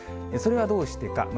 それはどうしてか。